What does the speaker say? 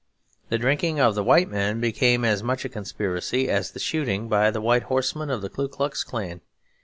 The drinking of the white men became as much a conspiracy as the shooting by the white horsemen of the Ku Klux Klan.